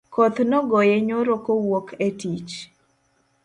Koth nogoye nyoro kowuok e tich